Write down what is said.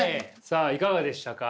さあいかがでしたか？